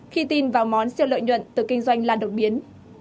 khi tin vào món siêu lợi nhuận từ kinh doanh lan đột biến